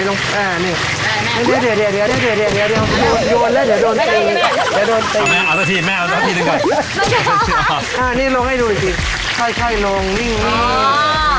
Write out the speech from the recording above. เราขเนี้ยโดยไหนถ้าดูครับดีเนี่ยก๋วลงไหน